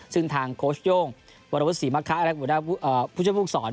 ซึ่งทางโค้ชโย่งวรพฤษีมะคะพุทธภูมิภูมิภูมิสอน